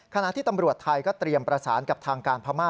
ขณะที่ตำรวจไทยก็เตรียมประสานกับทางการพม่า